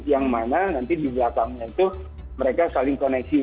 yang mana nanti di belakangnya itu mereka saling koneksi